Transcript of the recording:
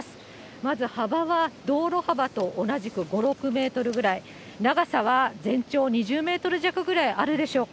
まず、幅が道路幅と同じく５、６メートルぐらい、長さは全長２０メートル弱ぐらいあるでしょうか。